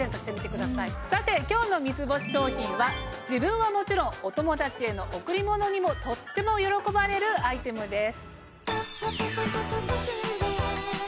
さて今日の三ツ星商品は自分はもちろんお友達への贈り物にもとっても喜ばれるアイテムです。